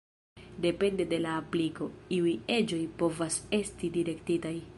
Depende de la apliko, iuj eĝoj povas esti direktitaj.